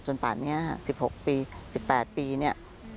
จนป่านนี้ฮะ๑๖ปี๑๘ปีนี่